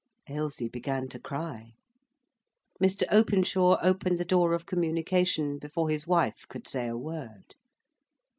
Ailsie began to cry. Mr. Openshaw opened the door of communication before his wife could say a word.